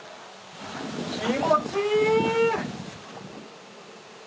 気持ちいい！